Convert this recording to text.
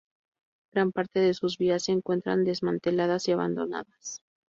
Gran parte de sus vías se encuentran desmanteladas y abandonadas.